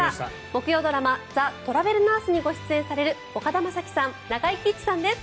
木曜ドラマ「ザ・トラベルナース」にご出演される岡田将生さん、中井貴一さんです